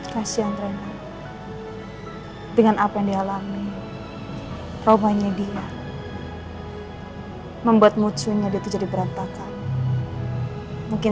kasihan dengan apa yang dialami robanya dia membuat mutsunya dia jadi berantakan mungkin